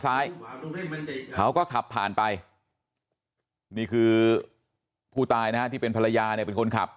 ซ้ายเขาก็ขับผ่านไปนี่คือผู้ตายนะฮะที่เป็นภรรยาเนี่ยเป็นคนขับ